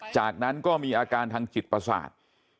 จากนั้นก็มีอาการทางจิตประสาท